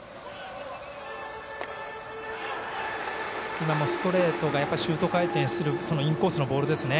今もストレートがシュート回転するそのインコースへのボールですね。